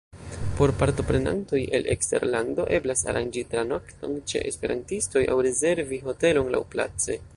Por partoprenantoj el eksterlando eblas aranĝi tranokton ĉe esperantistoj aŭ rezervi hotelon laŭplace.